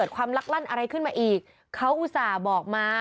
ความลักลั่นอะไรขึ้นมาอีกเขาอุตส่าห์บอกมา